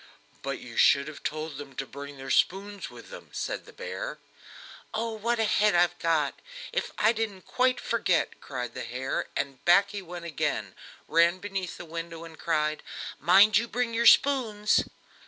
"But you should have told them to bring their spoons with them," said the bear. "Oh, what a head I've got! if I didn't quite forget!" cried the hare, and back he went again, ran beneath the window and cried: "Mind you bring your spoons!"